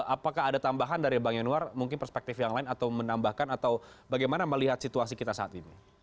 apakah ada tambahan dari bang yanuar mungkin perspektif yang lain atau menambahkan atau bagaimana melihat situasi kita saat ini